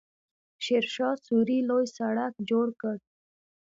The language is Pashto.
شیرشاه سوري لوی سړک جوړ کړ.